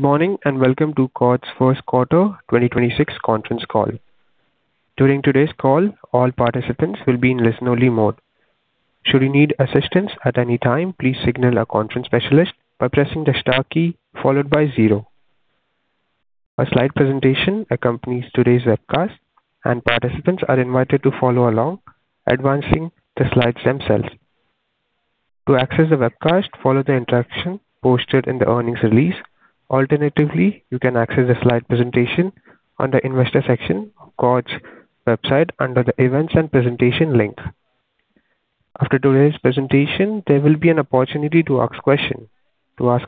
Good morning. Welcome to Quad's Q1 2026 conference call. A slide presentation accompanies today's webcast. Participants are invited to follow along, advancing the slides themselves. To access the webcast, follow the instructions posted in the earnings release. Alternatively, you can access the slide presentation on the investor section of Quad's website under the Events and Presentation link. After today's presentation, there will be an opportunity to ask questions. I will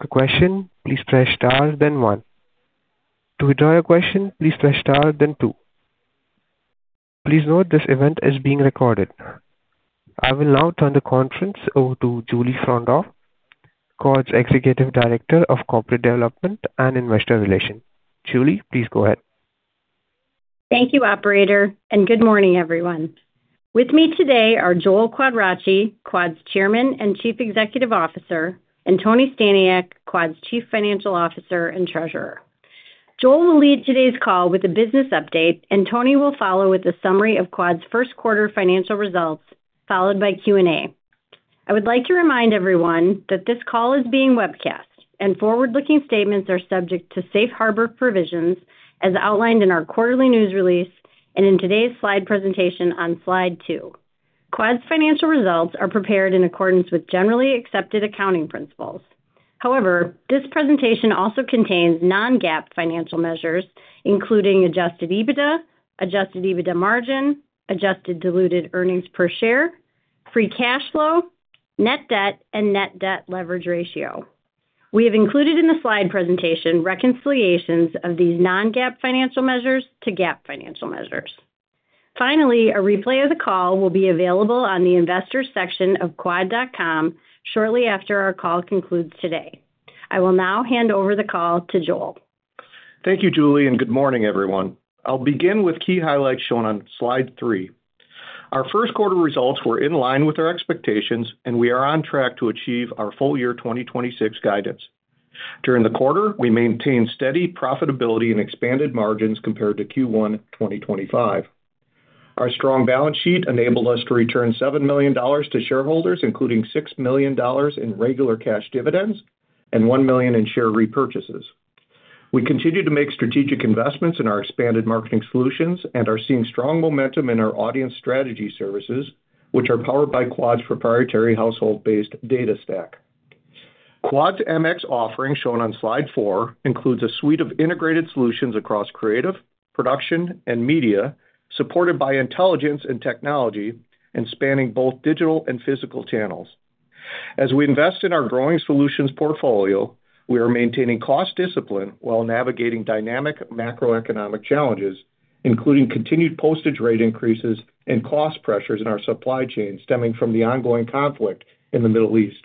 now turn the conference over to Julie Fraundorf, Quad's Executive Director of Corporate Development and Investor Relations. Julie, please go ahead. Thank you, operator. Good morning, everyone. With me today are Joel Quadracci, Quad's Chairman and Chief Executive Officer, and Tony Staniak, Quad's Chief Financial Officer and Treasurer. Joel will lead today's call with a business update. Tony will follow with a summary of Quad's Q1 financial results, followed by Q&A. I would like to remind everyone that this call is being webcast. Forward-looking statements are subject to Safe Harbor provisions as outlined in our quarterly news release and in today's slide presentation on slide two. Quad's financial results are prepared in accordance with generally accepted accounting principles. However, this presentation also contains non-GAAP financial measures, including adjusted EBITDA, adjusted EBITDA margin, adjusted diluted earnings per share, free cash flow, net debt, and net debt leverage ratio. We have included in the slide presentation reconciliations of these non-GAAP financial measures to GAAP financial measures. Finally, a replay of the call will be available on the investors section of quad.com shortly after our call concludes today. I will now hand over the call to Joel. Thank you, Julie, and good morning, everyone. I'll begin with key highlights shown on slide 3. Our Q1 results were in line with our expectations, and we are on track to achieve our full year 2026 guidance. During the quarter, we maintained steady profitability and expanded margins compared to Q1 2025. Our strong balance sheet enabled us to return $7 million to shareholders, including $6 million in regular cash dividends and $1 million in share repurchases. We continue to make strategic investments in our expanded marketing solutions and are seeing strong momentum in our audience strategy services, which are powered by Quad's proprietary household-based data stack. Quad's MX offering, shown on slide 4, includes a suite of integrated solutions across creative, production, and media, supported by intelligence and technology and spanning both digital and physical channels. As we invest in our growing solutions portfolio, we are maintaining cost discipline while navigating dynamic macroeconomic challenges, including continued postage rate increases and cost pressures in our supply chain stemming from the ongoing conflict in the Middle East.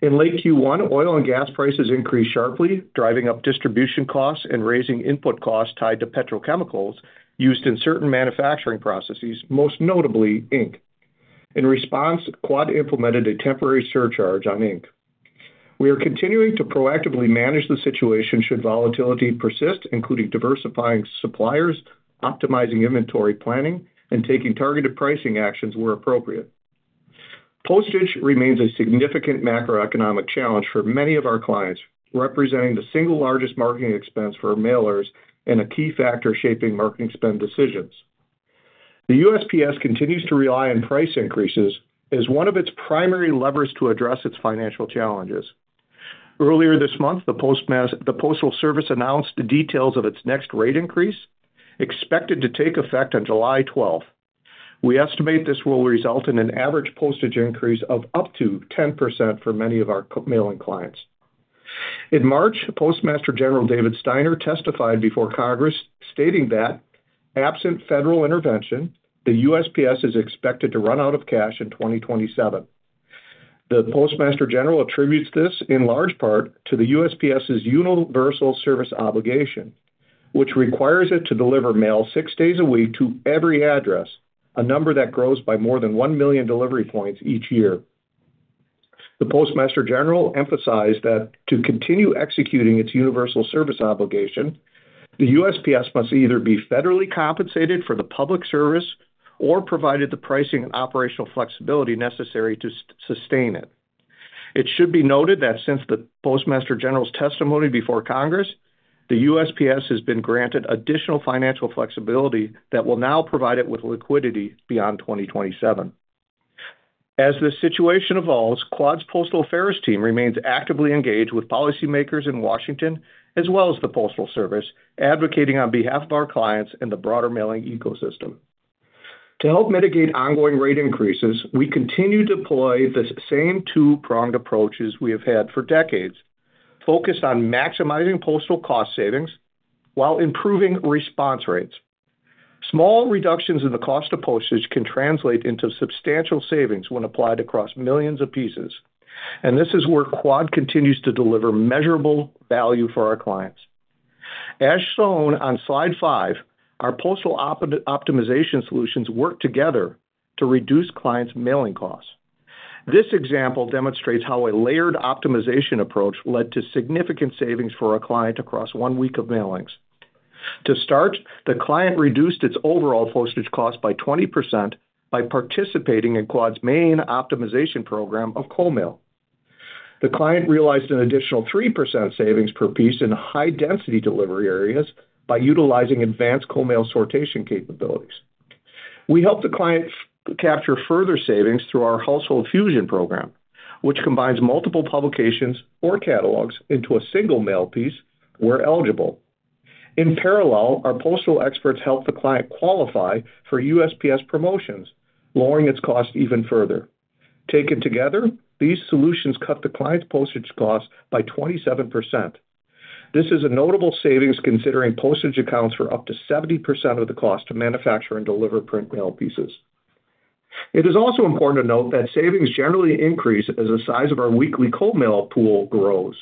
In late Q1, oil and gas prices increased sharply, driving up distribution costs and raising input costs tied to petrochemicals used in certain manufacturing processes, most notably ink. In response, Quad implemented a temporary surcharge on ink. We are continuing to proactively manage the situation should volatility persist, including diversifying suppliers, optimizing inventory planning, and taking targeted pricing actions where appropriate. Postage remains a significant macroeconomic challenge for many of our clients, representing the single largest marketing expense for mailers and a key factor shaping marketing spend decisions. The USPS continues to rely on price increases as one of its primary levers to address its financial challenges. Earlier this month, the Postal Service announced the details of its next rate increase, expected to take effect on July 12. We estimate this will result in an average postage increase of up to 10% for many of our Co-mail clients. In March, Postmaster General David Steiner testified before Congress, stating that absent federal intervention, the USPS is expected to run out of cash in 2027. The Postmaster General attributes this in large part to the USPS's Universal Service Obligation, which requires it to deliver mail 6 days a week to every address, a number that grows by more than 1 million delivery points each year. The Postmaster General emphasized that to continue executing its Universal Service Obligation, the USPS must either be federally compensated for the public service or provided the pricing and operational flexibility necessary to sustain it. It should be noted that since the Postmaster General's testimony before Congress, the USPS has been granted additional financial flexibility that will now provide it with liquidity beyond 2027. As this situation evolves, Quad's Postal Affairs team remains actively engaged with policymakers in Washington, as well as the Postal Service, advocating on behalf of our clients and the broader mailing ecosystem. To help mitigate ongoing rate increases, we continue to deploy the same two-pronged approaches we have had for decades, focused on maximizing postal cost savings while improving response rates. Small reductions in the cost of postage can translate into substantial savings when applied across millions of pieces, and this is where Quad continues to deliver measurable value for our clients. As shown on slide 5, our postal optimization solutions work together to reduce clients' mailing costs. This example demonstrates how a layered optimization approach led to significant savings for our client across one week of mailings. To start, the client reduced its overall postage cost by 20% by participating in Quad's main optimization program of Co-mail. The client realized an additional 3% savings per piece in high-density delivery areas by utilizing advanced Co-mail sortation capabilities. We helped the client capture further savings through our Household Fusion program, which combines multiple publications or catalogs into a single mail piece where eligible. In parallel, our postal experts helped the client qualify for USPS promotions, lowering its cost even further. Taken together, these solutions cut the client's postage costs by 27%. This is a notable savings, considering postage accounts for up to 70% of the cost to manufacture and deliver print mail pieces. It is also important to note that savings generally increase as the size of our weekly Co-mail pool grows.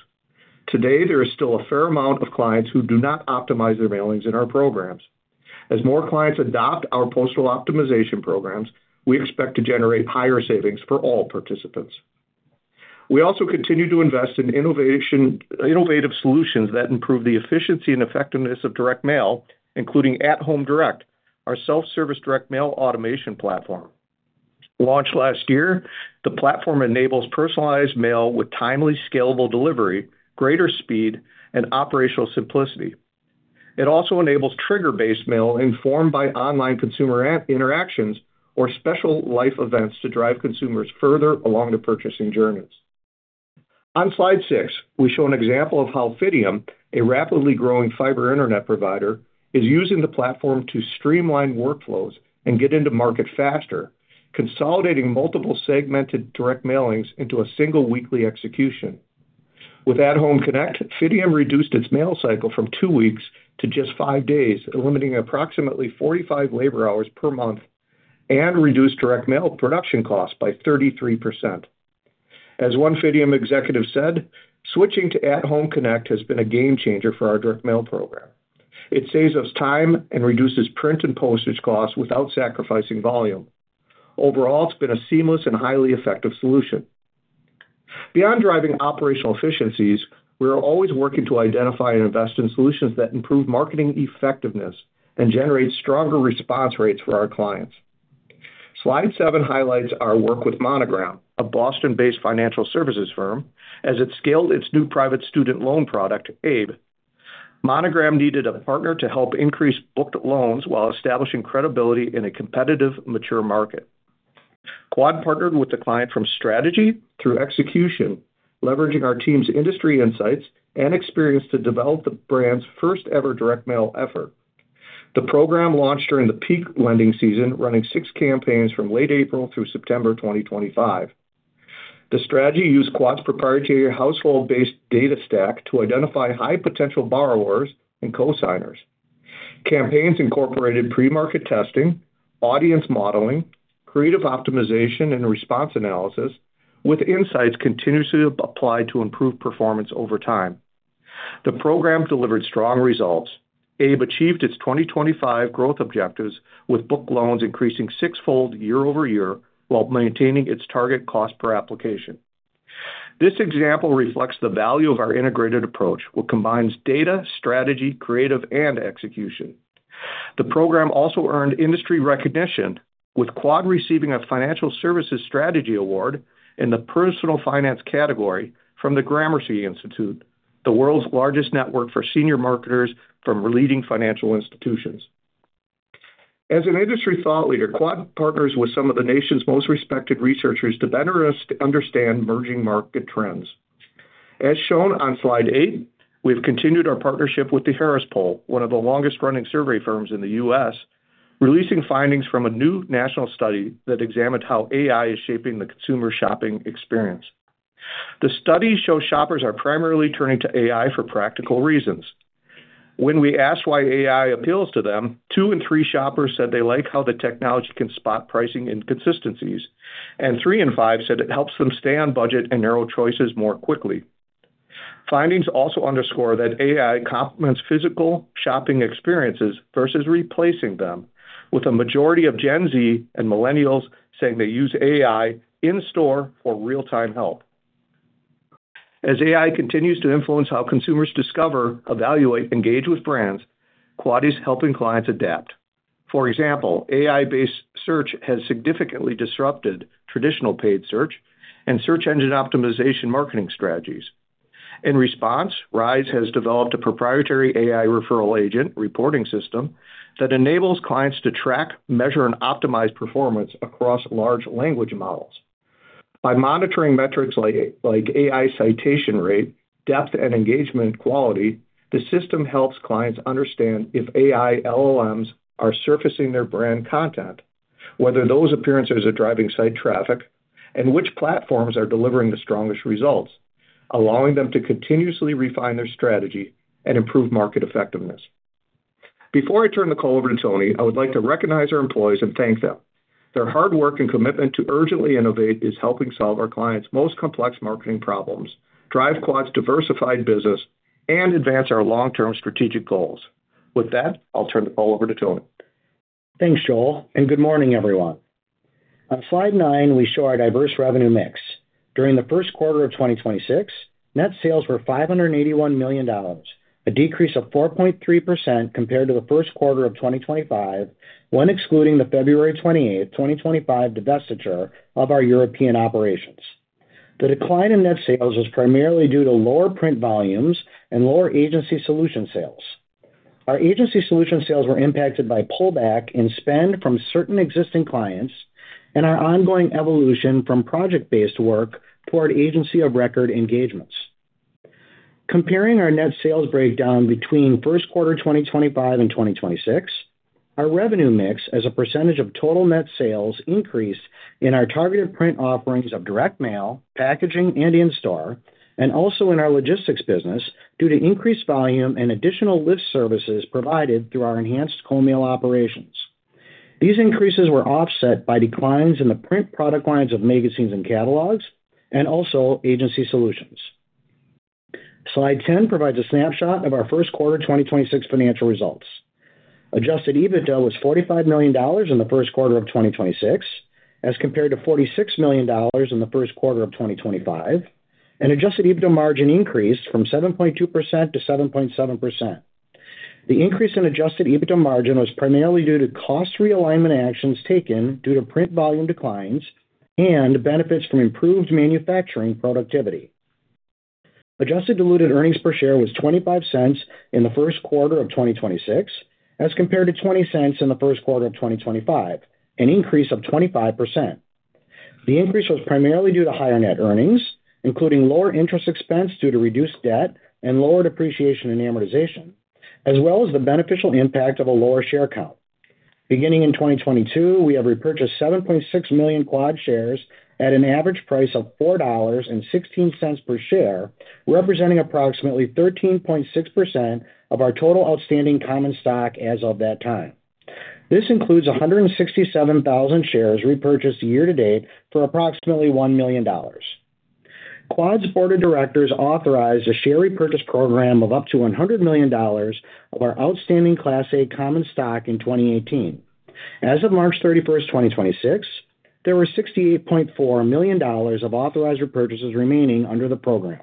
Today, there is still a fair amount of clients who do not optimize their mailings in our programs. As more clients adopt our postal optimization programs, we expect to generate higher savings for all participants. We also continue to invest in innovative solutions that improve the efficiency and effectiveness of direct mail, including At-Home Connect, our self-service direct mail automation platform. Launched last year, the platform enables personalized mail with timely scalable delivery, greater speed, and operational simplicity. It also enables trigger-based mail informed by online consumer interactions or special life events to drive consumers further along the purchasing journeys. On slide 6, we show an example of how Fidium, a rapidly growing fiber internet provider, is using the platform to streamline workflows and get into market faster, consolidating multiple segmented direct mailings into a single weekly execution. With At-Home Connect, Fidium reduced its mail cycle from 2 weeks to just 5 days, eliminating approximately 45 labor hours per month and reduced direct mail production costs by 33%. As one Fidium executive said, "Switching to At-Home Connect has been a game-changer for our direct mail program. It saves us time and reduces print and postage costs without sacrificing volume. Overall, it's been a seamless and highly effective solution." Beyond driving operational efficiencies, we are always working to identify and invest in solutions that improve marketing effectiveness and generate stronger response rates for our clients. Slide seven highlights our work with Monogram, a Boston-based financial services firm, as it scaled its new private student loan product, Abe. Monogram needed a partner to help increase booked loans while establishing credibility in a competitive, mature market. Quad partnered with the client from strategy through execution, leveraging our team's industry insights and experience to develop the brand's first-ever direct mail effort. The program launched during the peak lending season, running six campaigns from late April through September 2025. The strategy used Quad's proprietary household-based data stack to identify high-potential borrowers and cosigners. Campaigns incorporated pre-market testing, audience modeling, creative optimization, and response analysis, with insights continuously applied to improve performance over time. The program delivered strong results. Abe achieved its 2025 growth objectives, with booked loans increasing 6-fold year-over-year, while maintaining its target cost per application. This example reflects the value of our integrated approach, which combines data, strategy, creative, and execution. The program also earned industry recognition, with Quad receiving a Financial Services Strategy Award in the personal finance category from the Gramercy Institute, the world's largest network for senior marketers from leading financial institutions. As an industry thought leader, Quad partners with some of the nation's most respected researchers to better us understand emerging market trends. As shown on slide eight, we've continued our partnership with The Harris Poll, one of the longest-running survey firms in the U.S., releasing findings from a new national study that examined how AI is shaping the consumer shopping experience. The study shows shoppers are primarily turning to AI for practical reasons. When we asked why AI appeals to them, 2 in 3 shoppers said they like how the technology can spot pricing inconsistencies, and 3 in 5 said it helps them stay on budget and narrow choices more quickly. Findings also underscore that AI complements physical shopping experiences versus replacing them, with a majority of Gen Z and millennials saying they use AI in-store for real-time help. As AI continues to influence how consumers discover, evaluate, engage with brands, Quad is helping clients adapt. For example, AI-based search has significantly disrupted traditional paid search and search engine optimization marketing strategies. In response, Rise has developed a proprietary AI referral agent reporting system that enables clients to track, measure, and optimize performance across large language models. By monitoring metrics like AI citation rate, depth, and engagement quality, the system helps clients understand if AI LLMs are surfacing their brand content, whether those appearances are driving site traffic, and which platforms are delivering the strongest results, allowing them to continuously refine their strategy and improve market effectiveness. Before I turn the call over to Tony, I would like to recognize our employees and thank them. Their hard work and commitment to urgently innovate is helping solve our clients' most complex marketing problems, drive Quad's diversified business, and advance our long-term strategic goals. With that, I'll turn the call over to Tony. Thanks, Joel. Good morning, everyone. On slide 9, we show our diverse revenue mix. During the Q1 of 2026, net sales were $581 million, a decrease of 4.3% compared to the Q1 of 2025 when excluding the February 28, 2025 divestiture of our European operations. The decline in net sales was primarily due to lower print volumes and lower agency solution sales. Our agency solution sales were impacted by pullback in spend from certain existing clients and our ongoing evolution from project-based work toward agency of record engagements. Comparing our net sales breakdown between Q1 2025 and 2026, our revenue mix as a percentage of total net sales increased in our targeted print offerings of direct mail, packaging, and in-store, and also in our logistics business due to increased volume and additional lift services provided through our enhanced Co-mail operations. These increases were offset by declines in the print product lines of magazines and catalogs and also agency solutions. Slide 10 provides a snapshot of our Q1 2026 financial results. Adjusted EBITDA was $45 million in the Q1 of 2026 as compared to $46 million in the Q1 of 2025, and adjusted EBITDA margin increased from 7.2%-7.7%. The increase in adjusted EBITDA margin was primarily due to cost realignment actions taken due to print volume declines and benefits from improved manufacturing productivity. Adjusted diluted earnings per share was $0.25 in the Q1 of 2026 as compared to $0.20 in the Q1 of 2025, an increase of 25%. The increase was primarily due to higher net earnings, including lower interest expense due to reduced debt and lower depreciation and amortization, as well as the beneficial impact of a lower share count. Beginning in 2022, we have repurchased 7.6 million Quad shares at an average price of $4.16 per share, representing approximately 13.6% of our total outstanding Class A common stock as of that time. This includes 167,000 shares repurchased year to date for approximately $1 million. Quad's board of directors authorized a share repurchase program of up to $100 million of our outstanding Class A common stock in 2018. As of March 31st, 2026, there were $68.4 million of authorized repurchases remaining under the program.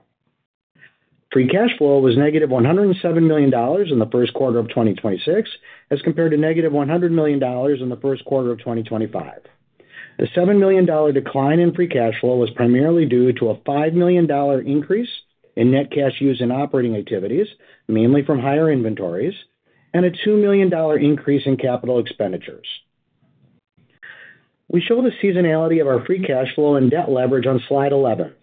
Free cash flow was negative $107 million in the Q1 of 2026 as compared to negative $100 million in the Q1 of 2025. The $7 million decline in free cash flow was primarily due to a $5 million increase in net cash used in operating activities, mainly from higher inventories, and a $2 million increase in capital expenditures. We show the seasonality of our free cash flow and debt leverage on slide 11.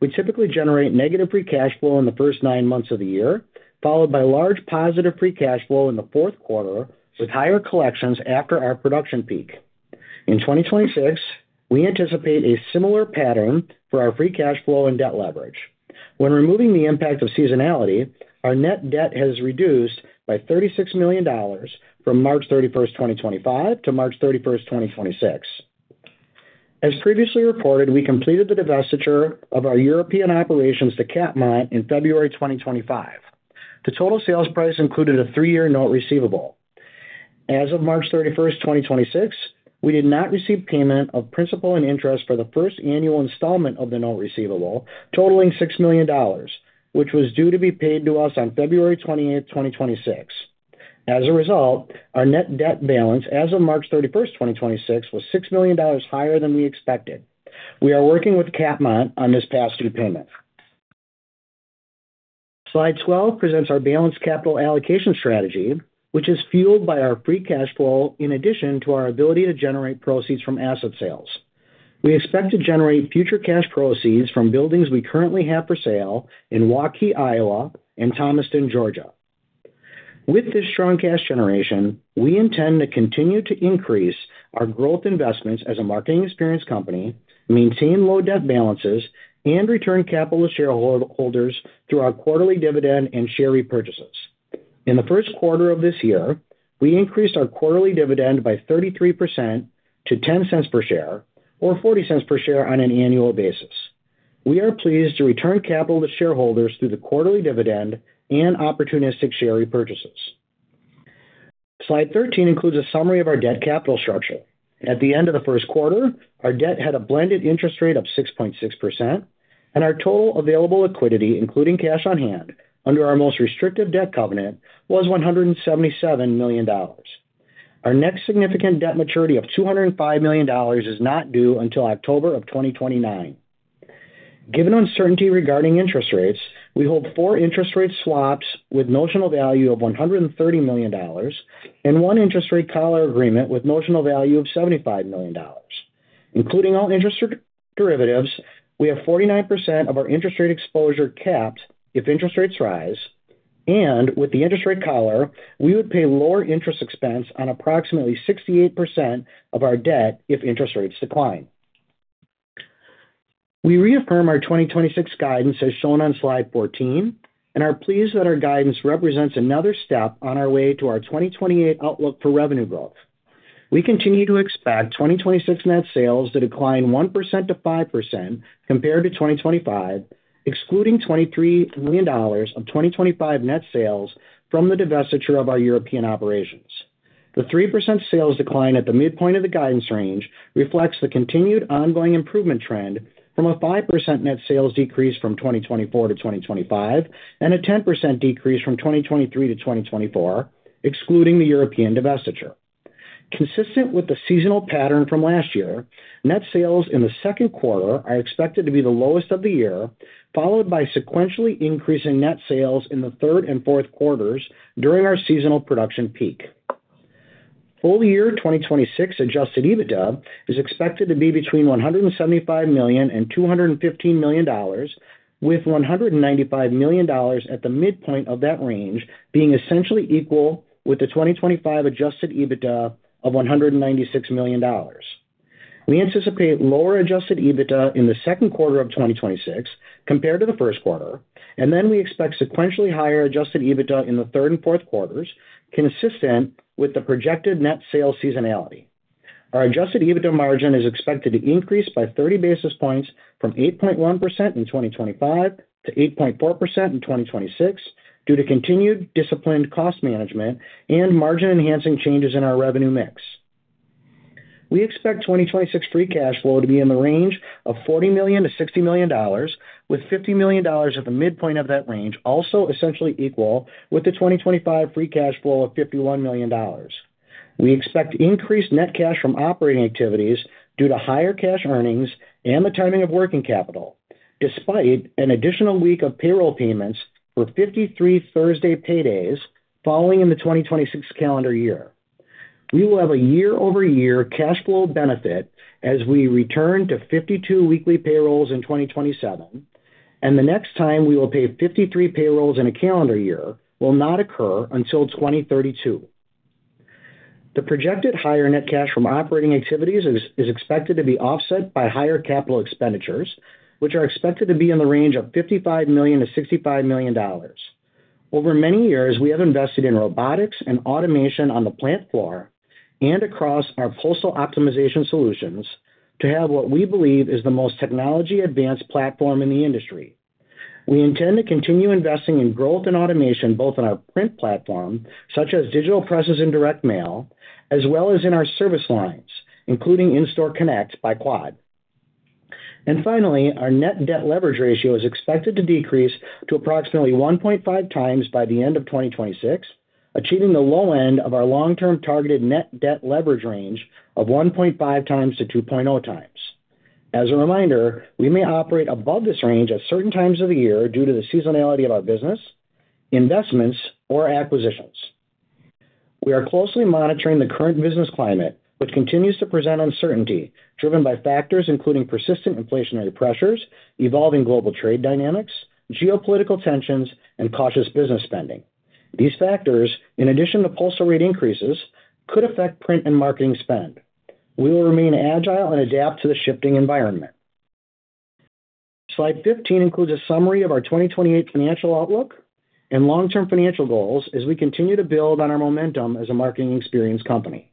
We typically generate negative free cash flow in the first 9 months of the year, followed by large positive free cash flow in the Q4 with higher collections after our production peak. In 2026, we anticipate a similar pattern for our free cash flow and debt leverage. When removing the impact of seasonality, our net debt has reduced by $36 million from March 31st, 2025 to March 31st, 2026. As previously reported, we completed the divestiture of our European operations to Capmont in February 2025. The total sales price included a 3-year note receivable. As of March 31st, 2026, we did not receive payment of principal and interest for the first annual installment of the note receivable, totaling $6 million, which was due to be paid to us on February 28th, 2026. As a result, our net debt balance as of March 31st, 2026 was $6 million higher than we expected. We are working with Capmont on this past due payment. Slide 12 presents our balanced capital allocation strategy, which is fueled by our free cash flow in addition to our ability to generate proceeds from asset sales. We expect to generate future cash proceeds from buildings we currently have for sale in Waukee, Iowa, and Thomaston, Georgia. With this strong cash generation, we intend to continue to increase our growth investments as a marketing experience company, maintain low debt balances, and return capital to shareholders through our quarterly dividend and share repurchases. In the Q1 of this year, we increased our quarterly dividend by 33% to $0.10 per share, or $0.40 per share on an annual basis. We are pleased to return capital to shareholders through the quarterly dividend and opportunistic share repurchases. Slide 13 includes a summary of our debt capital structure. At the end of the Q1, our debt had a blended interest rate of 6.6%, and our total available liquidity, including cash on hand under our most restrictive debt covenant, was $177 million. Our next significant debt maturity of $205 million is not due until October of 2029. Given uncertainty regarding interest rates, we hold four interest rate swaps with notional value of $130 million and one interest rate collar agreement with notional value of $75 million. Including all interest derivatives, we have 49% of our interest rate exposure capped if interest rates rise, and with the interest rate collar, we would pay lower interest expense on approximately 68% of our debt if interest rates decline. We reaffirm our 2026 guidance as shown on slide 14 and are pleased that our guidance represents another step on our way to our 2028 outlook for revenue growth. We continue to expect 2026 net sales to decline 1%-5% compared to 2025, excluding $23 million of 2025 net sales from the divestiture of our European operations. The 3% sales decline at the midpoint of the guidance range reflects the continued ongoing improvement trend from a 5% net sales decrease from 2024 to 2025 and a 10% decrease from 2023 to 2024, excluding the European divestiture. Consistent with the seasonal pattern from last year, net sales in the Q2 are expected to be the lowest of the year, followed by sequentially increasing net sales in the Q3 and Q4s during our seasonal production peak. Full year 2026 adjusted EBITDA is expected to be between $175 million and $215 million, with $195 million at the midpoint of that range being essentially equal with the 2025 adjusted EBITDA of $196 million. We anticipate lower adjusted EBITDA in the Q2 of 2026 compared to the Q1, and then we expect sequentially higher adjusted EBITDA in the Q3 and Q4s, consistent with the projected net sales seasonality. Our adjusted EBITDA margin is expected to increase by 30 basis points from 8.1% in 2025 to 8.4% in 2026 due to continued disciplined cost management and margin-enhancing changes in our revenue mix. We expect 2026 free cash flow to be in the range of $40 million-$60 million, with $50 million at the midpoint of that range also essentially equal, with the 2025 free cash flow of $51 million. We expect increased net cash from operating activities due to higher cash earnings and the timing of working capital, despite an additional week of payroll payments for 53 Thursday paydays falling in the 2026 calendar year. We will have a year-over-year cash flow benefit as we return to 52 weekly payrolls in 2027, and the next time we will pay 53 payrolls in a calendar year will not occur until 2032. The projected higher net cash from operating activities is expected to be offset by higher capital expenditures, which are expected to be in the range of $55 million-$65 million. Over many years, we have invested in robotics and automation on the plant floor and across our postal optimization solutions to have what we believe is the most technology-advanced platform in the industry. We intend to continue investing in growth and automation both on our print platform, such as digital presses and direct mail, as well as in our service lines, including In-Store Connect by Quad. Finally, our net debt leverage ratio is expected to decrease to approximately 1.5x by the end of 2026, achieving the low end of our long-term targeted net debt leverage range of 1.5x-2.0x. As a reminder, we may operate above this range at certain times of the year due to the seasonality of our business, investments, or acquisitions. We are closely monitoring the current business climate, which continues to present uncertainty driven by factors including persistent inflationary pressures, evolving global trade dynamics, geopolitical tensions, and cautious business spending. These factors, in addition to postal rate increases, could affect print and marketing spend. We will remain agile and adapt to the shifting environment. Slide 15 includes a summary of our 2028 financial outlook and long-term financial goals as we continue to build on our momentum as a marketing experience company.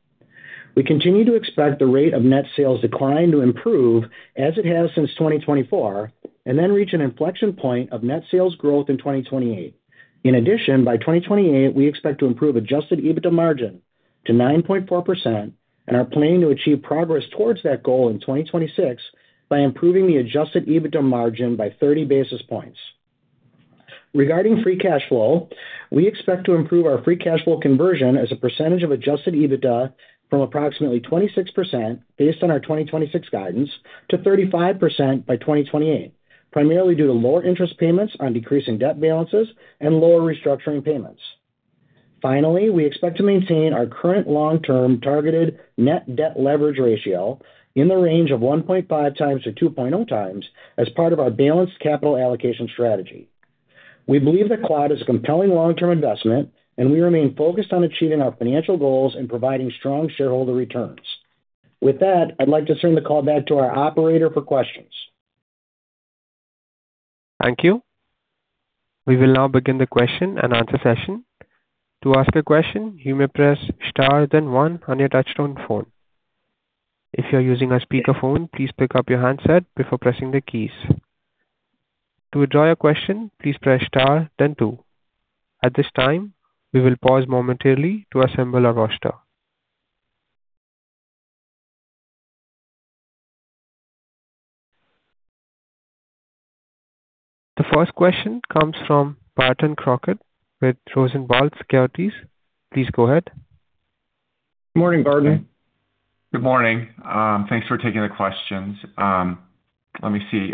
We continue to expect the rate of net sales decline to improve as it has since 2024 and then reach an inflection point of net sales growth in 2028. By 2028, we expect to improve adjusted EBITDA margin to 9.4% and are planning to achieve progress towards that goal in 2026 by improving the adjusted EBITDA margin by 30 basis points. Regarding free cash flow, we expect to improve our free cash flow conversion as a percentage of adjusted EBITDA from approximately 26% based on our 2026 guidance to 35% by 2028, primarily due to lower interest payments on decreasing debt balances and lower restructuring payments. We expect to maintain our current long-term targeted net debt leverage ratio in the range of 1.5x to 2.0x as part of our balanced capital allocation strategy. We believe that Quad is a compelling long-term investment, and we remain focused on achieving our financial goals and providing strong shareholder returns. With that, I'd like to turn the call back to our operator for questions. Thank you. We will now begin the question and answer session. To ask a question, you may press star then 1 on your touchtone phone. If you are using a speakerphone, please pick up your handset before pressing the keys. To withdraw your question, please press star then 2. At this time, we will pause momentarily to assemble our roster. The first question comes from Barton Crockett with Rosenblatt Securities. Please go ahead. Morning, Barton. Good morning. Thanks for taking the questions. Let me see.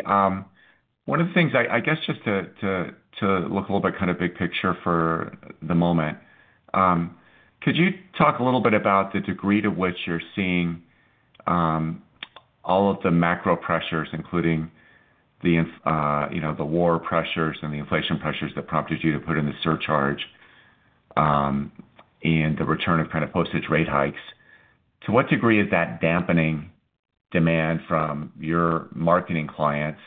One of the things I guess, just to look a little bit kind of big picture for the moment, could you talk a little bit about the degree to which you're seeing all of the macro pressures, including the war pressures and the inflation pressures that prompted you to put in the surcharge, and the return of kind of postage rate hikes? To what degree is that dampening demand from your marketing clients?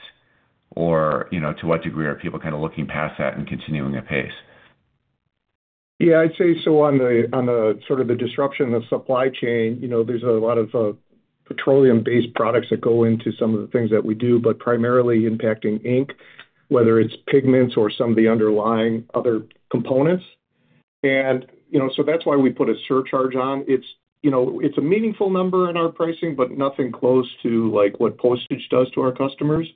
Or, you know, to what degree are people kind of looking past that and continuing at pace? Yeah, I'd say so on the, on the sort of the disruption of supply chain, you know, there's a lot of petroleum-based products that go into some of the things that we do, but primarily impacting ink, whether it's pigments or some of the underlying other components. That's why we put a surcharge on. It's, you know, it's a meaningful number in our pricing, but nothing close to, like, what postage does to our customers.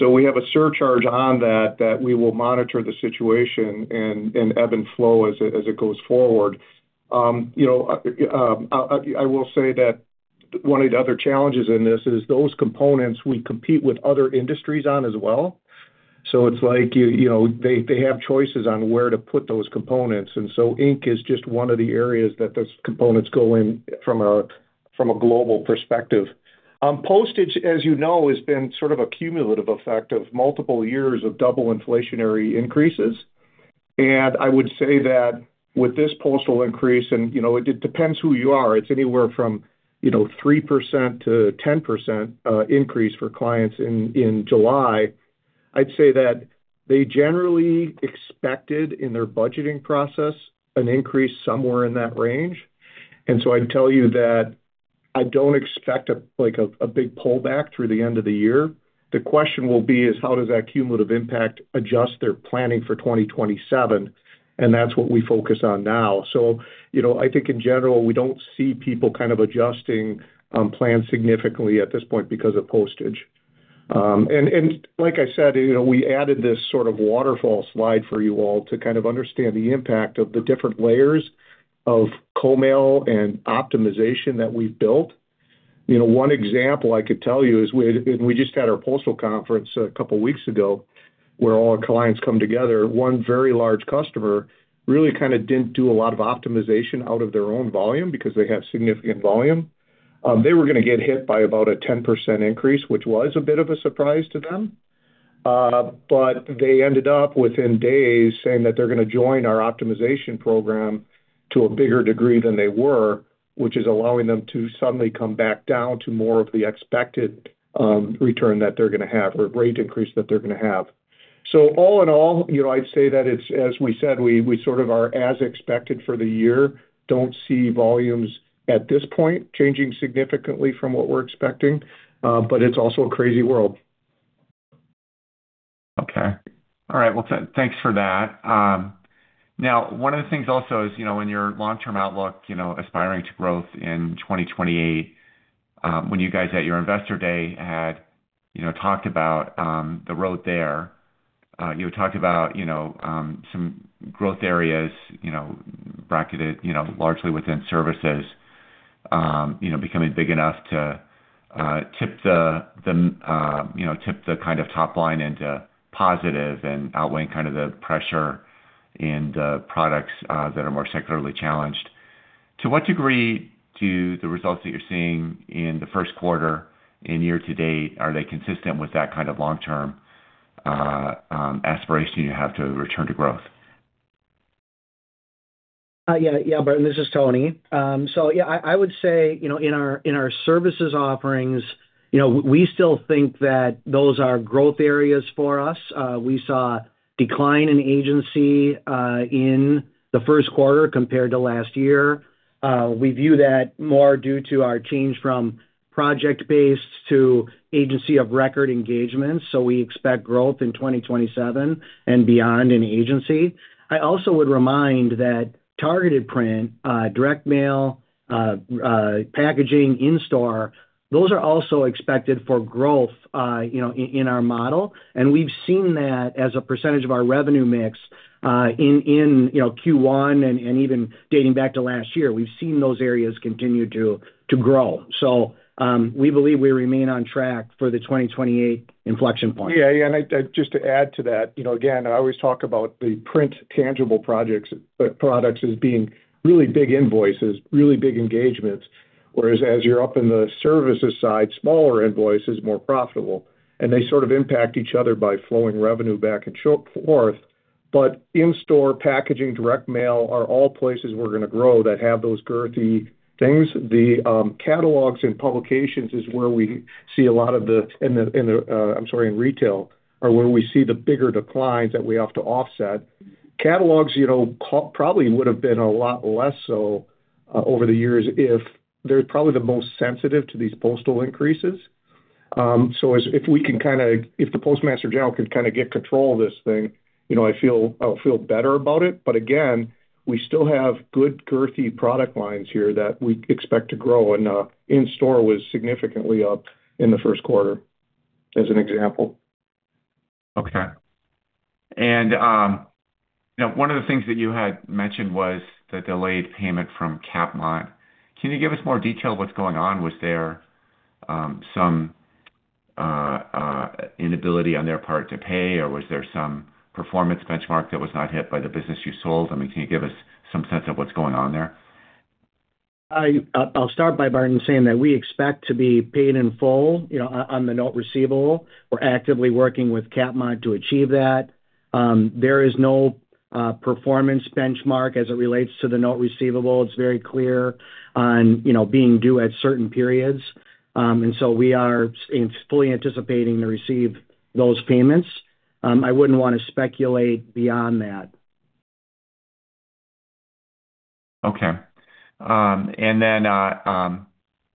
We have a surcharge on that we will monitor the situation and ebb and flow as it, as it goes forward. You know, I will say that one of the other challenges in this is those components we compete with other industries on as well. It's like, you know, they have choices on where to put those components. Ink is just one of the areas that those components go in from a global perspective. Postage, as you know, has been sort of a cumulative effect of multiple years of double inflationary increases. I would say that with this postal increase, and, you know, it depends who you are. It's anywhere from, you know, 3%-10% increase for clients in July. I'd say that they generally expected in their budgeting process an increase somewhere in that range. I'd tell you that I don't expect a big pullback through the end of the year. The question will be is, how does that cumulative impact adjust their planning for 2027? That's what we focus on now. You know, I think in general, we don't see people kind of adjusting plans significantly at this point because of postage. Like I said, you know, we added this sort of waterfall slide for you all to kind of understand the impact of the different layers of Co-mail and optimization that we've built. You know, one example I could tell you is we just had our postal conference a couple weeks ago, where all our clients come together. One very large customer really kind of didn't do a lot of optimization out of their own volume because they have significant volume. They were gonna get hit by about a 10% increase, which was a bit of a surprise to them. They ended up within days saying that they're gonna join our optimization program to a bigger degree than they were, which is allowing them to suddenly come back down to more of the expected return that they're gonna have or rate increase that they're gonna have. All in all, you know, I'd say that it's, as we said, we sort of are as expected for the year. Don't see volumes at this point changing significantly from what we're expecting, but it's also a crazy world. Okay. All right. Well, thanks for that. Now, one of the things also is, you know, in your long-term outlook, you know, aspiring to growth in 2028, when you guys at your investor day had, you know, talked about the road there, you talked about, you know, some growth areas, you know, bracketed, you know, largely within services, you know, becoming big enough to tip the, you know, tip the kind of top line into positive and outweighing kind of the pressure in the products that are more secularly challenged. To what degree do the results that you're seeing in the Q1 and year to date, are they consistent with that kind of long-term aspiration you have to return to growth? Yeah, yeah, Barton, this is Tony. Yeah, I would say, you know, in our, in our services offerings, you know, we still think that those are growth areas for us. We saw a decline in agency in the Q1 compared to last year. We view that more due to our change from project-based to agency of record engagements, we expect growth in 2027 and beyond in agency. I also would remind that targeted print, direct mail, packaging in-store, those are also expected for growth, you know, in our model. We've seen that as a percentage of our revenue mix, you know, Q1 and even dating back to last year. We've seen those areas continue to grow. We believe we remain on track for the 2028 inflection point. Yeah. Yeah. Just to add to that, you know, again, I always talk about the print tangible products as being really big invoices, really big engagements. Whereas as you're up in the services side, smaller invoice is more profitable, and they sort of impact each other by flowing revenue back and forth. In-store packaging, direct mail are all places we're gonna grow that have those girthy things. The catalogs and publications is where we see a lot of the, I'm sorry, in retail, are where we see the bigger declines that we have to offset. Catalogs, you know, probably would've been a lot less so over the years if they're probably the most sensitive to these postal increases. If the Postmaster General can kinda get control of this thing, you know, I feel, I'll feel better about it. Again, we still have good, girthy product lines here that we expect to grow. In-store was significantly up in the Q1as an example. Okay. Now one of the things that you had mentioned was the delayed payment from Capmont. Can you give us more detail what's going on? Was there some inability on their part to pay, or was there some performance benchmark that was not hit by the business you sold? I mean, can you give us some sense of what's going on there? I'll start by, Barton, saying that we expect to be paid in full, you know, on the note receivable. We're actively working with Capmont to achieve that. There is no performance benchmark as it relates to the note receivable. It's very clear on, you know, being due at certain periods. We are fully anticipating to receive those payments. I wouldn't wanna speculate beyond that. Okay.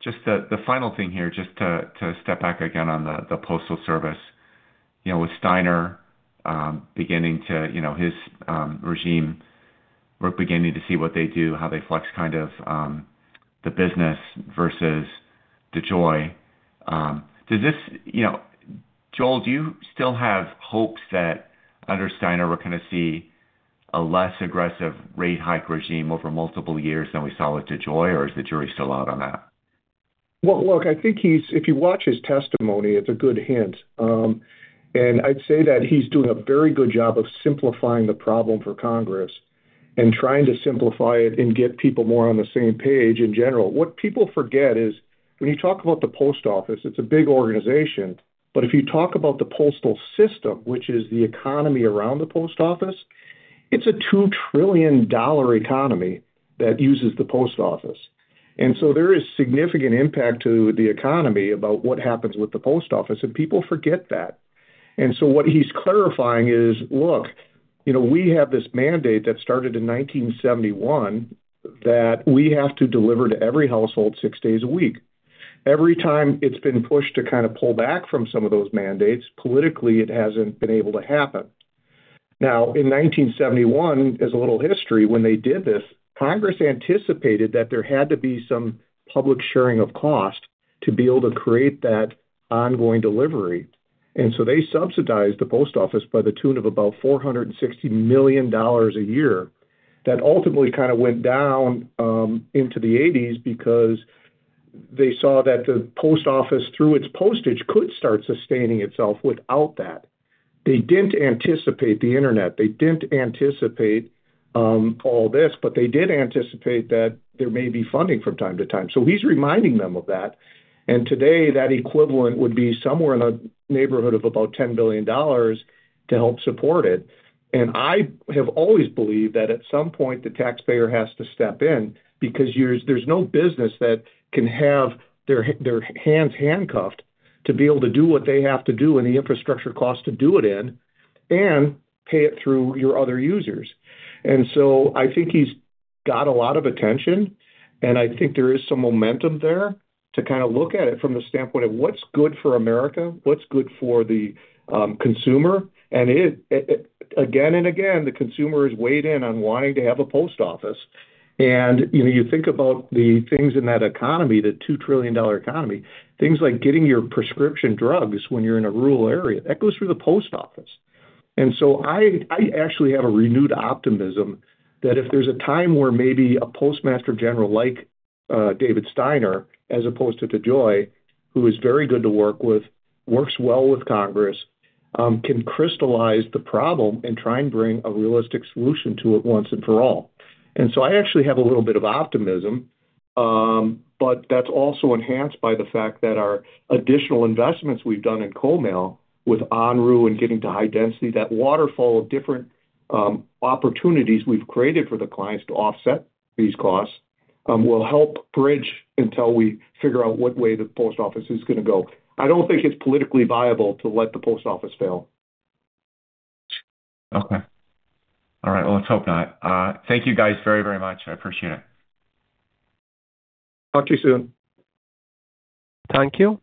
Just the final thing here, just to step back again on the Postal Service. You know, with Steiner beginning to, you know, his regime, we're beginning to see what they do, how they flex kind of the business versus DeJoy. You know, Joel, do you still have hopes that under Steiner we're gonna see a less aggressive rate hike regime over multiple years than we saw with DeJoy, or is the jury still out on that? Well, look, I think if you watch his testimony, it's a good hint. I'd say that he's doing a very good job of simplifying the problem for Congress and trying to simplify it and get people more on the same page in general. What people forget is when you talk about the Post Office, it's a big organization, but if you talk about the postal system, which is the economy around the Post Office, it's a $2 trillion economy that uses the Post Office. There is significant impact to the economy about what happens with the Post Office, and people forget that. What he's clarifying is, look, you know, we have this mandate that started in 1971 that we have to deliver to every household six days a week. Every time it's been pushed to kinda pull back from some of those mandates, politically, it hasn't been able to happen. Now, in 1971, as a little history, when they did this, Congress anticipated that there had to be some public sharing of cost to be able to create that ongoing delivery. They subsidized the Post Office by the tune of about $460 million a year. That ultimately kinda went down into the 1980s because they saw that the Post Office, through its postage, could start sustaining itself without that. They didn't anticipate the Internet. They didn't anticipate all this, but they did anticipate that there may be funding from time to time. He's reminding them of that. Today, that equivalent would be somewhere in the neighborhood of about $10 billion to help support it. I have always believed that at some point, the taxpayer has to step in because there's no business that can have their hands handcuffed to be able to do what they have to do and the infrastructure cost to do it in and pay it through your other users. I think he's got a lot of attention, and I think there is some momentum there to kinda look at it from the standpoint of what's good for America, what's good for the consumer. It, again and again, the consumer has weighed in on wanting to have a Post Office. You know, you think about the things in that economy, the $2 trillion economy, things like getting your prescription drugs when you're in a rural area, that goes through the Post Office. I actually have a renewed optimism that if there's a time where maybe a Postmaster General like David Steiner, as opposed to DeJoy, who is very good to work with, works well with Congress, can crystallize the problem and try and bring a realistic solution to it once and for all. I actually have a little bit of optimism, but that's also enhanced by the fact that our additional investments we've done in Co-mail with Enru and getting to high density, that waterfall of different opportunities we've created for the clients to offset these costs, will help bridge until we figure out what way the Post Office is gonna go. I don't think it's politically viable to let the Post Office fail. Okay. All right. Let's hope not. Thank you guys very, very much. I appreciate it. Talk to you soon. Thank you.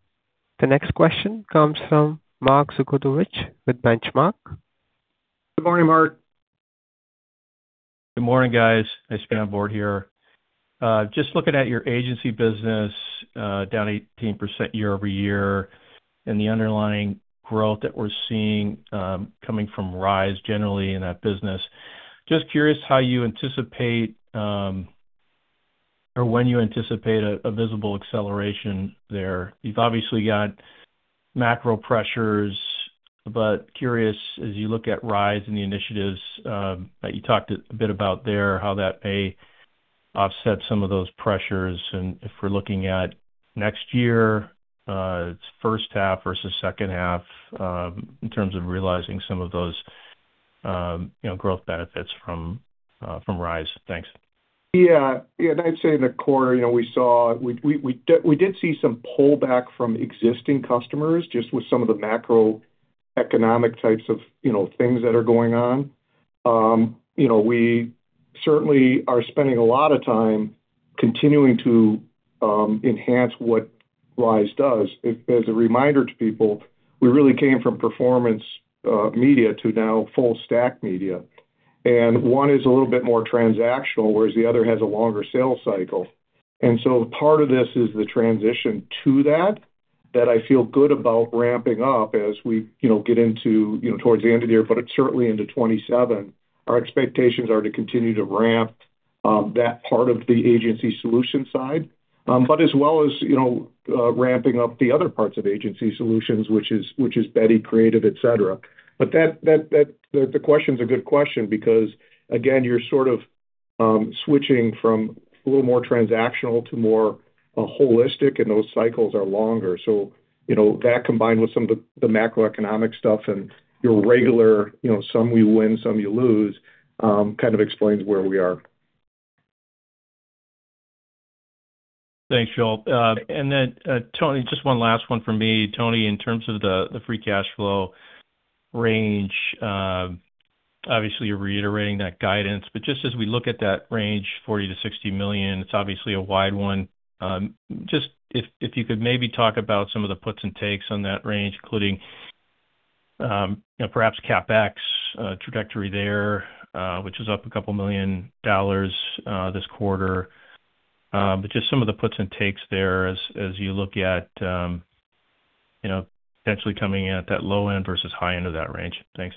The next question comes from Mark Zgutowicz with Benchmark. Good morning, Mark. Good morning, guys. Nice to be on board here. Just looking at your agency business, down 18% year-over-year and the underlying growth that we're seeing, coming from Rise generally in that business. Just curious how you anticipate, or when you anticipate a visible acceleration there. You've obviously got macro pressures, but curious as you look at Rise and the initiatives that you talked a bit about there, how that may offset some of those pressures. If we're looking at next year, its first half versus second half, in terms of realizing some of those, you know, growth benefits from Rise. Thanks. Yeah. Yeah. I'd say the core, you know, we did see some pullback from existing customers just with some of the macroeconomic types of, you know, things that are going on. You know, we certainly are spending a lot of time continuing to enhance what Rise does. As a reminder to people, we really came from performance media to now full stack media. One is a little bit more transactional, whereas the other has a longer sales cycle. Part of this is the transition to that I feel good about ramping up as we, you know, get into, you know, towards the end of the year, but certainly into 2027. Our expectations are to continue to ramp that part of the agency solution side, but as well as, you know, ramping up the other parts of agency solutions, which is Betty Creative, et cetera. That the question's a good question because again, you're sort of switching from a little more transactional to more holistic, and those cycles are longer. You know, that combined with some of the macroeconomic stuff and your regular, you know, some you win, some you lose, kind of explains where we are. Thanks, y'all. Tony, just one last one for me. Tony, in terms of the free cash flow range, obviously you're reiterating that guidance, just as we look at that range, $40 million-$60 million, it's obviously a wide one. Just if you could maybe talk about some of the puts and takes on that range, including, you know, perhaps CapEx trajectory there, which is up $2 million this quarter. Just some of the puts and takes there as you look at, you know, potentially coming in at that low end versus high end of that range. Thanks.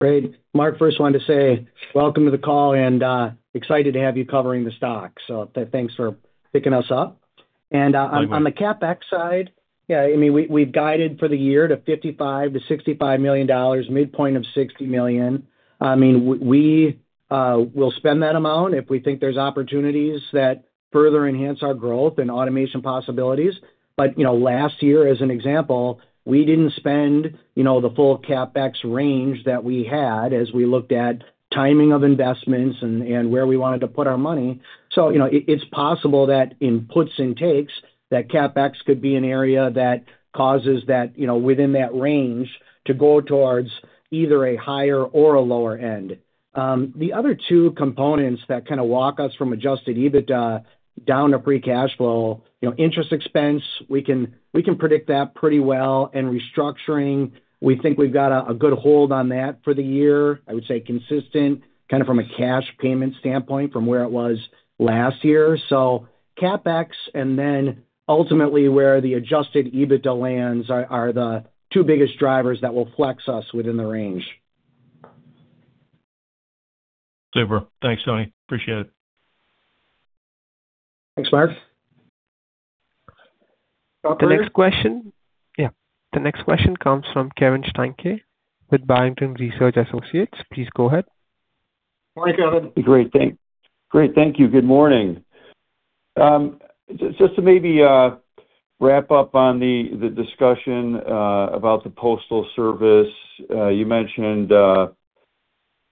Great. Mark, first wanted to say welcome to the call and excited to have you covering the stock. Thanks for picking us up. Likewise. On the CapEx side, we've guided for the year to $55 million-$65 million, midpoint of $60 million. We will spend that amount if we think there's opportunities that further enhance our growth and automation possibilities. You know, last year as an example, we didn't spend, you know, the full CapEx range that we had as we looked at timing of investments and where we wanted to put our money. You know, it's possible that in puts and takes, that CapEx could be an area that causes that, you know, within that range to go towards either a higher or a lower end. The other two components that kind of walk us from adjusted EBITDA down to free cash flow, you know, interest expense, we can predict that pretty well. Restructuring, we think we've got a good hold on that for the year. I would say consistent kind of from a cash payment standpoint from where it was last year. CapEx and then ultimately where the adjusted EBITDA lands are the two biggest drivers that will flex us within the range. Super. Thanks, Tony. Appreciate it. Thanks, Mark. Operator? Yeah. The next question comes from Kevin Steinke with Barrington Research Associates. Please go ahead. Hi, Kevin. Great. Thank you. Good morning. Just to maybe wrap up on the discussion about the Postal Service. You mentioned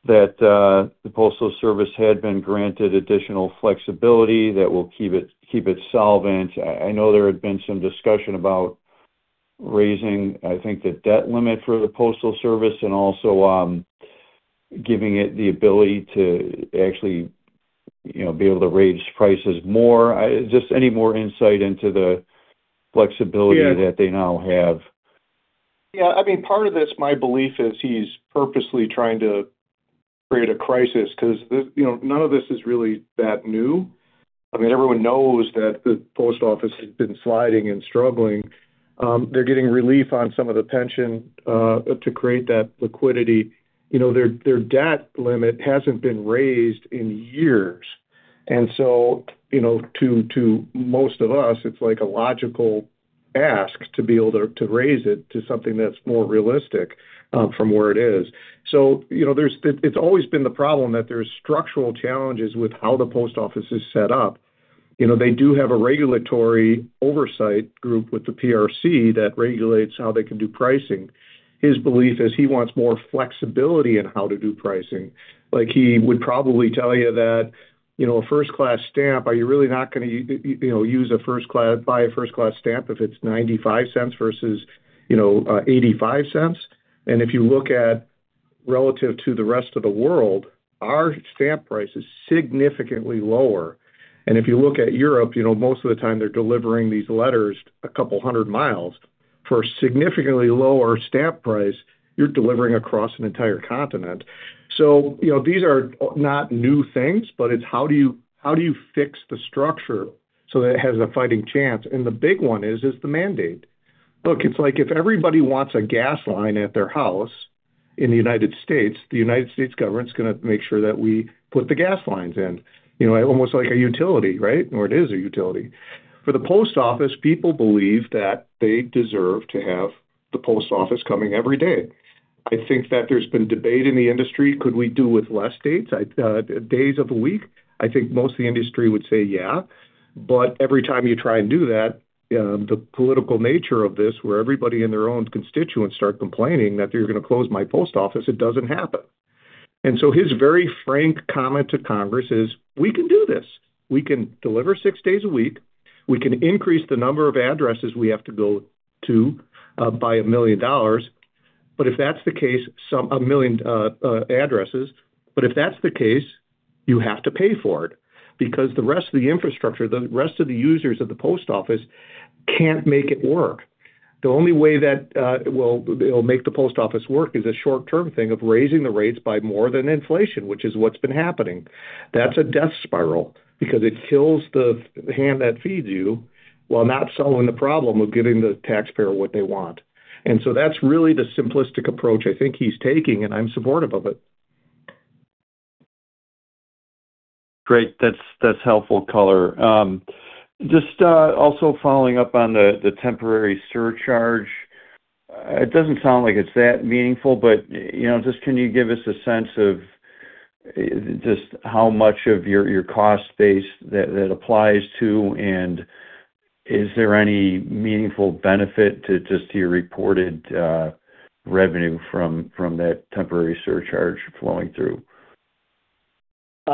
that the Postal Service had been granted additional flexibility that will keep it solvent. I know there had been some discussion about raising, I think, the debt limit for the Postal Service and also, giving it the ability to actually, you know, be able to raise prices more. Just any more insight into the flexibility? Yeah that they now have. Yeah. I mean, part of this, my belief is he's purposely trying to create a crisis because you know, none of this is really that new. I mean, everyone knows that the Post Office has been sliding and struggling. They're getting relief on some of the pension to create that liquidity. You know, their debt limit hasn't been raised in years. You know, to most of us, it's like a logical ask to be able to raise it to something that's more realistic from where it is. You know, it's always been the problem that there's structural challenges with how the Post Office is set up. You know, they do have a regulatory oversight group with the PRC that regulates how they can do pricing. His belief is he wants more flexibility in how to do pricing. Like, he would probably tell you that, you know, a first-class stamp, are you really not gonna use a first-class stamp if it's $0.95 versus, you know, $0.85? If you look at relative to the rest of the world, our stamp price is significantly lower. If you look at Europe, you know, most of the time they're delivering these letters a couple 100 miles for a significantly lower stamp price, you're delivering across an entire continent. You know, these are not new things, but it's how do you fix the structure so that it has a fighting chance? The big one is the mandate. Look, it's like if everybody wants a gas line at their house in the U.S., the U.S. government's gonna make sure that we put the gas lines in. You know, almost like a utility, right? It is a utility. For the Post Office, people believe that they deserve to have the Post Office coming every day. I think that there's been debate in the industry, could we do with less dates, days of the week? I think most of the industry would say yeah. Every time you try and do that, the political nature of this, where everybody and their own constituents start complaining that you're gonna close my post office, it doesn't happen. His very frank comment to Congress is, "We can do this. We can deliver six days a week. We can increase the number of addresses we have to go to, by 1 million addresses. If that's the case, 1 million addresses. If that's the case, you have to pay for it because the rest of the infrastructure, the rest of the users of the Post Office can't make it work." The only way that will make the Post Office work is a short-term thing of raising the rates by more than inflation, which is what's been happening. That's a death spiral because it kills the hand that feeds you while not solving the problem of giving the taxpayer what they want. That's really the simplistic approach I think he's taking, and I'm supportive of it. Great. That's helpful color. Just also following up on the temporary surcharge. It doesn't sound like it's that meaningful, but, you know, just can you give us a sense of just how much of your cost base that applies to? Is there any meaningful benefit just to your reported revenue from that temporary surcharge flowing through?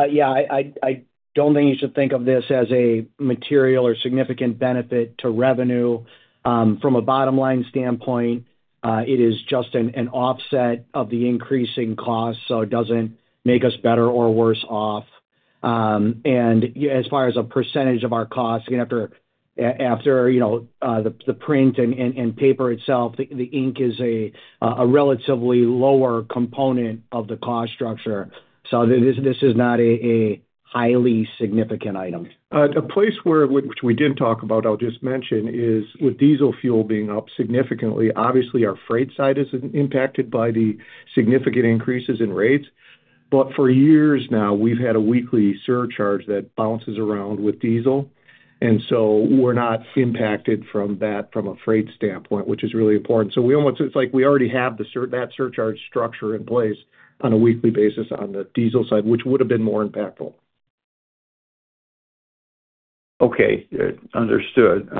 Yeah, I don't think you should think of this as a material or significant benefit to revenue. From a bottom-line standpoint, it is just an offset of the increasing cost, so it doesn't make us better or worse off. As far as a percentage of our cost, again, after, you know, the print and paper itself, the ink is a relatively lower component of the cost structure. This is not a highly significant item. The place which we didn't talk about, I'll just mention, is with diesel fuel being up significantly, obviously our freight side is impacted by the significant increases in rates. For years now, we've had a weekly surcharge that bounces around with diesel, and so we're not impacted from that from a freight standpoint, which is really important. It's like we already have that surcharge structure in place on a weekly basis on the diesel side, which would have been more impactful. Okay. Understood.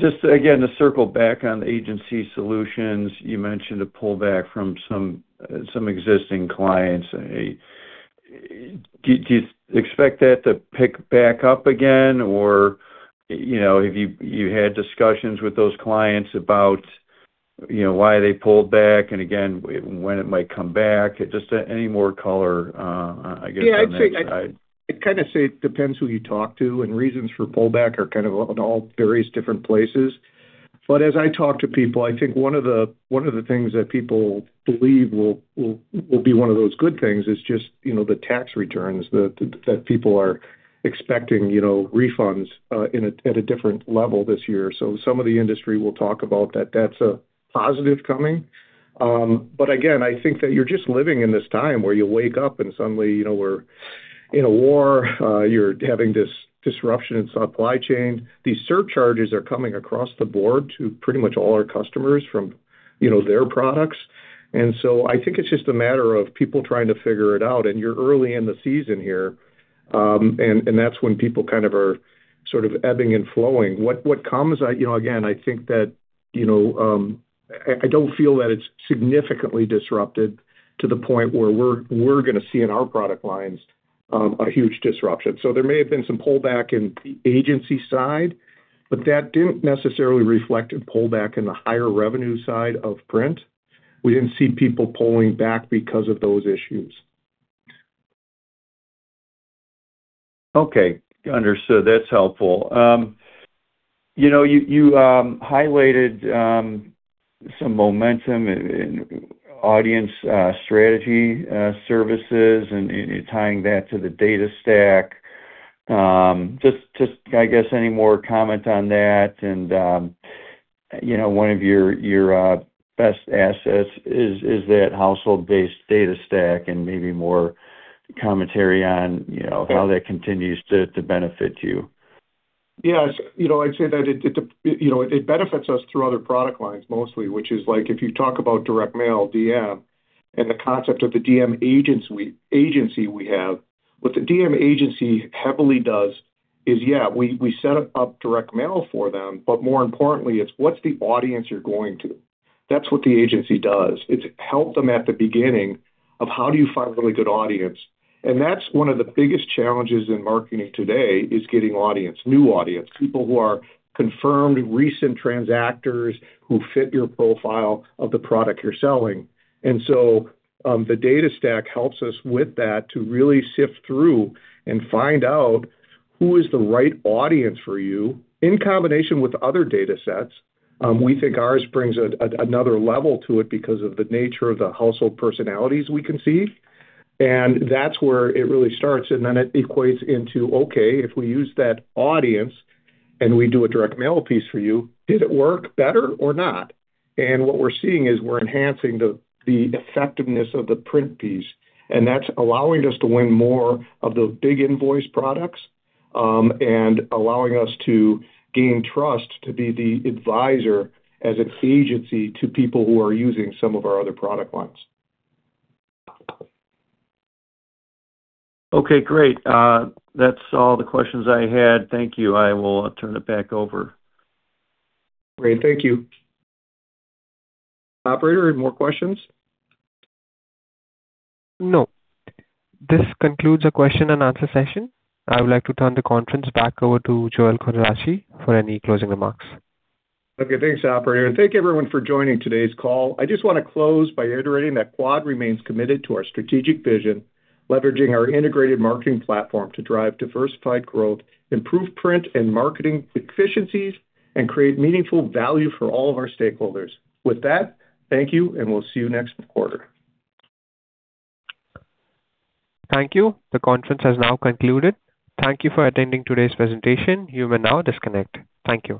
Just again, to circle back on the agency solutions, you mentioned a pullback from some existing clients. Do you expect that to pick back up again? Or, you know, have you had discussions with those clients about, you know, why they pulled back, and again, when it might come back? Just any more color, I guess, on that side. Yeah, I think I'd kinda say it depends who you talk to. Reasons for pullback are kind of on all various different places. As I talk to people, I think one of the things that people believe will be one of those good things is just, you know, the tax returns. That people are expecting, you know, refunds at a different level this year. Some of the industry will talk about that's a positive coming. Again, I think that you're just living in this time where you wake up and suddenly, you know, we're in a war. You're having disruption in supply chain. These surcharges are coming across the board to pretty much all our customers from, you know, their products. I think it's just a matter of people trying to figure it out, and you're early in the season here. That's when people kind of are sort of ebbing and flowing. You know, again, I think that, you know, I don't feel that it's significantly disrupted to the point where we're gonna see in our product lines a huge disruption. There may have been some pullback in the agency side, but that didn't necessarily reflect a pullback in the higher revenue side of print. We didn't see people pulling back because of those issues. Okay. Understood. That's helpful. You know, you highlighted some momentum in audience strategy services and tying that to the data stack. Just I guess any more comment on that and, you know, one of your best assets is that household-based data stack and maybe more commentary on, you know, how that continues to benefit you. Yes. You know, I'd say that it, you know, it benefits us through other product lines mostly, which is like if you talk about direct mail, DM, and the concept of the DM agency we have. What the DM agency heavily does is, yeah, we set up direct mail for them, but more importantly, it's what's the audience you're going to? That's what the agency does. It's help them at the beginning of how do you find really good audience. That's one of the biggest challenges in marketing today is getting audience, new audience. People who are confirmed recent transactors who fit your profile of the product you're selling. The data stack helps us with that to really sift through and find out who is the right audience for you in combination with other datasets. We think ours brings another level to it because of the nature of the household personalities we can see. That's where it really starts, then it equates into, okay, if we use that audience and we do a direct mail piece for you, did it work better or not? What we're seeing is we're enhancing the effectiveness of the print piece, that's allowing us to win more of those big invoice products, and allowing us to gain trust to be the advisor as its agency to people who are using some of our other product lines. Okay, great. That's all the questions I had. Thank you. I will turn it back over. Great. Thank you. Operator, any more questions? No. This concludes the question and answer session. I would like to turn the conference back over to Joel Quadracci for any closing remarks. Okay. Thanks, operator. Thank you everyone for joining today's call. I just wanna close by reiterating that Quad remains committed to our strategic vision, leveraging our integrated marketing platform to drive diversified growth, improve print and marketing efficiencies, and create meaningful value for all of our stakeholders. With that, thank you, and we'll see you next quarter. Thank you. The conference has now concluded. Thank you for attending today's presentation. You may now disconnect. Thank you.